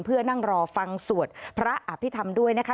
เพื่อนั่งรอฟังสวดพระอภิษฐรรมด้วยนะคะ